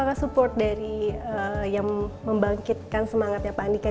apakah support dari yang membangkitkan semangatnya pak andika